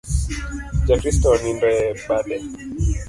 Ja Kristo onindo e bade